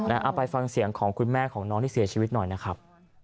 เอาไปฟังเสียงของคุณแม่ของน้องที่เสียชีวิตหน่อยนะครับ